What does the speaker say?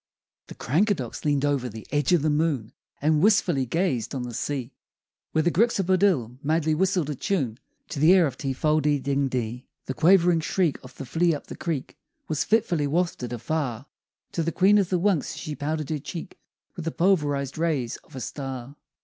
] The Crankadox leaned o'er the edge of the moon And wistfully gazed on the sea Where the Gryxabodill madly whistled a tune To the air of Ti fol de ding dee. The quavering shriek of the Fliupthecreek Was fitfully wafted afar To the Queen of the Wunks as she powdered her cheek With the pulverized rays of a star.